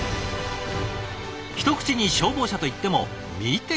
一口に消防車といっても見て下さい。